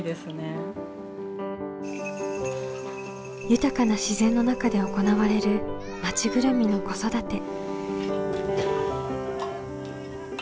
豊かな自然の中で行われる町ぐるみの子育て。